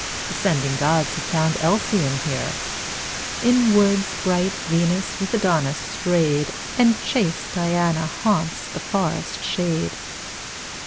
Descending Gods have found Elysium here. In woods bright Venus with Adonis stray'd, And chaste Diana haunts the forest shade.